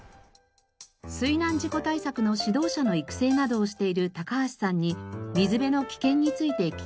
水難事故対策の指導者の育成などをしている高橋さんに水辺の危険について聞きました。